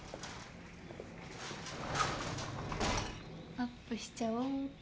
アップしちゃおうっと。